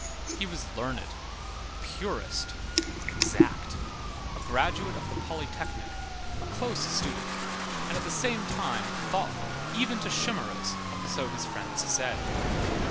He was learned, a purist, exact, a graduate of the Polytechnic, a close student, and at the same time, thoughtful "even to chimæras," so his friends said.